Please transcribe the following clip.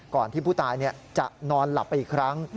ที่ผู้ตายจะนอนหลับไปอีกครั้ง